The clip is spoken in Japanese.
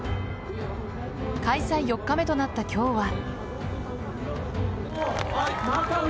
開催４日目となった今日は。